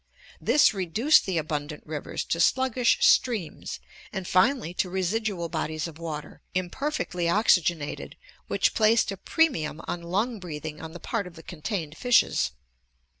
This re THE PULSE OF LIFE 689 duced the abundant rivers to sluggish streams and finally to residual bodies of water, imperfectly oxygenated, which placed a premium on lung breathing on the part of the contained fishes.